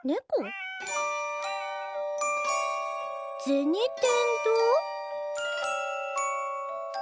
「銭天堂」？